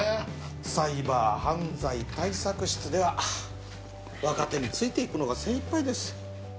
サイバー犯罪対策室では若手についていくのが精いっぱいです。